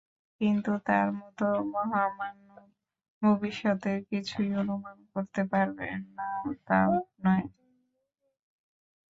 কিন্তু তাঁর মতো মহামানব ভবিষ্যতের কিছুই অনুমান করতে পারেন না, তাও নয়।